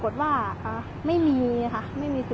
สวัสดีครับทุกคน